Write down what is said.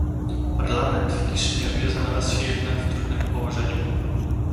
Parlament w Kiszyniowie znalazł się jednak w trudnym położeniu